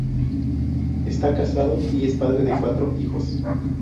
Esta casado y es padre de cuatro hijos.